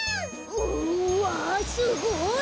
うわすごい！